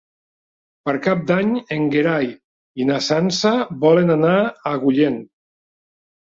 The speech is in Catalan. Per Cap d'Any en Gerai i na Sança volen anar a Agullent.